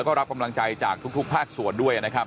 ก็รับกำลังใจจากทุกภาคส่วนด้วยนะครับ